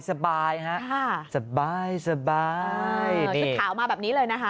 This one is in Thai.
ทุกท่าวมาแบบนี้เลยนะฮะ